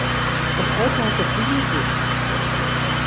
Das Auto hatte viele Sitze